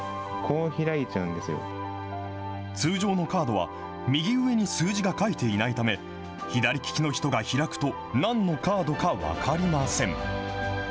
通常のカードは右上に数字が書いていないため、左利きの人が開くと、なんのカードか分かりません。